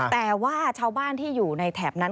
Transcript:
แต่ว่าชาวบ้านที่อยู่ในแถบนั้น